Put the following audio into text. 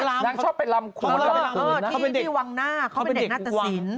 นางชอบไปลำที่วังหน้าเขาเป็นเด็กนาฏศิลป์